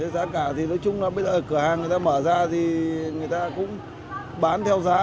giá cả thì nói chung là bây giờ cửa hàng người ta mở ra thì người ta cũng bán theo giá